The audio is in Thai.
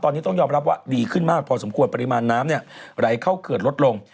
ตอนนี้ต้องยอมรับว่าดีขึ้นมากพอสมควรปริมาณน้ำไหลเข้าเขื่อนลดลง